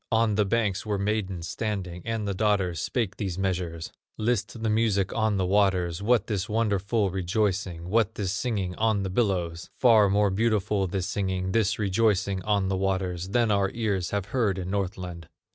On the banks were maidens standing, And the daughters spake these measures: "List the music on the waters! What this wonderful rejoicing, What this singing on the billows? Far more beautiful this singing, This rejoicing on the waters, Than our ears have heard in Northland."